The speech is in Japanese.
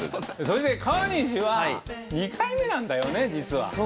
そして川西は２回目なんだよね実は。